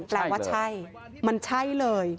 แปลว่าใช่มันใช่เลย